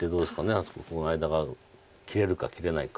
あそこの間が切れるか切れないか。